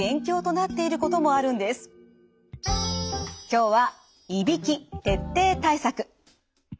今日はいびき徹底対策。